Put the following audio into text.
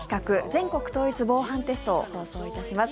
全国統一防犯テスト」を放送いたします。